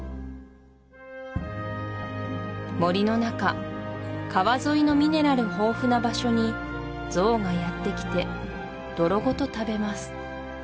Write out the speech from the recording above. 森の中川沿いのミネラル豊富な場所にゾウがやってきて泥ごと食べます